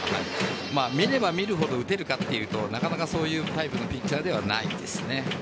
見れば見るほど打てるかというとなかなかそういうタイプのピッチャーではないですね。